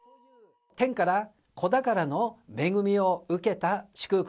天から子宝の恵みを受けた祝福